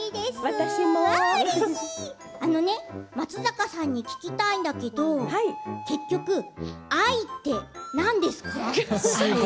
松坂さんに聞きたいんだけど結局、愛って何？